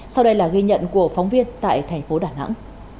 sau đây là ghi nhận của phóng viên tại thành phố đà nẵng